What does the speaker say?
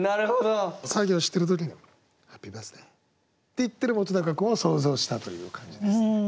作業してる時に「ＨＡＰＰＹＢＩＲＴＨＤＡＹ」って言ってる本君を想像したという感じです。